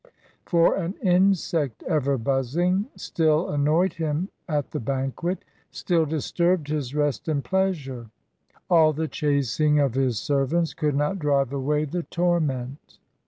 For an insect, ever buzzing, Still annoyed him at the banquet, Still disturbed his rest and pleasure. All the chasing of his servants Could not drive away the torment.